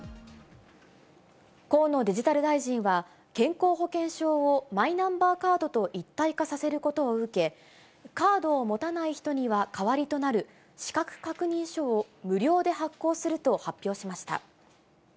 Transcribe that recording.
河野デジタル大臣は、健康保険証をマイナンバーカードと一体化させることを受け、カードを持たない人には、代わりとなる資格確認書を無料で発行すると発表しました。